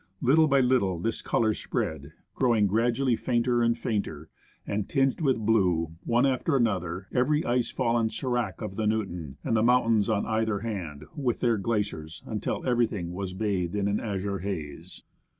Little by little this colour spread, growing gradually fainter and fainter, and tinging with blue, one after another, every ice EAST BUTTRESS OF MOUNT ST. EI, IAS, fall and sc'rac of the Newton, and the mountains on either hand, Avith their glaciers, initil everything was bathed in an azure haze.